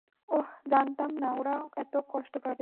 ওহ, জানতাম না ওরা এত কষ্ট পাবে।